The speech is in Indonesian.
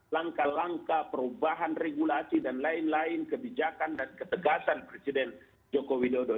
langkah langkah perubahan regulasi dan lain lain kebijakan dan ketegasan presiden joko widodo